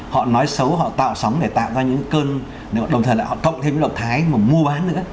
họ nói xấu họ tạo sóng để tạo ra những cơn đồng thời họ cộng thêm với độc thái mà mua bán nữa